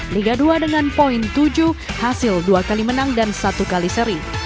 liga dua dengan poin tujuh hasil dua kali menang dan satu kali seri